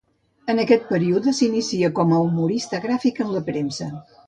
En aquest període s'inicia com a humorista gràfic en la premsa.